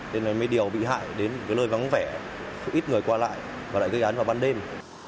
nên là mấy điều bị hại đến cái lơi vắng vẻ ít người qua lại và lại gây án vào ban đêm